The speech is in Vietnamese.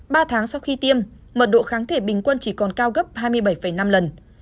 ba tháng sau khi tiêm mật độ kháng thể bình quân chỉ còn cao gấp hai mươi bảy năm lần